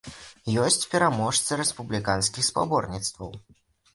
Ёсць пераможцы рэспубліканскіх спаборніцтваў.